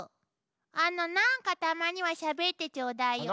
あの何かたまにはしゃべってちょうだいよ。